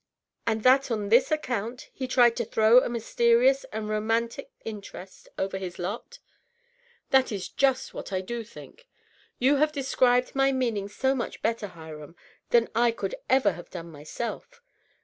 " And that on this account he tried to throw a mysterious and ro mantic interest over his lot ?"" That is just what I do think. You have described my meaning so much better, Hiram, than I could ever have done myself.